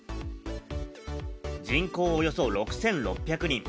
人口およそ６６００人。